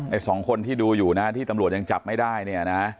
สองคนที่ดูอยู่นะที่ตำรวจยังจับไม่ได้เนี่ยนะ